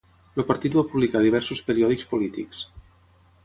El partit va publicar diversos periòdics polítics.